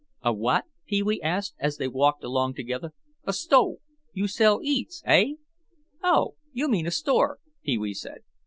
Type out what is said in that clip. "A what?" Pee wee asked, as they walked along together. "A sto—you sell eats, hey?" "Oh, you mean a store," Pee wee said.